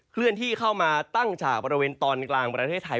เลื่อนที่เข้ามาตั้งจากบริเวณตอนกลางประเทศไทย